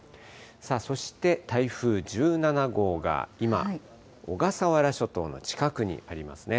そして台風１７号が今、小笠原諸島の近くにありますね。